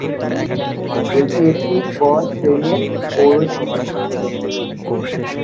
এটি একটি ক শ্রেণীর পৌরসভা।